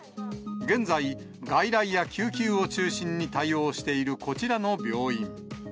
現在、外来や救急を中心に対応しているこちらの病院。